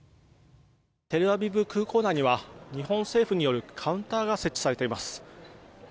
テルアビブ空港内には日本政府によるカウンターが設置されています。